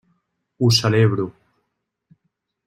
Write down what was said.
Ho celebro.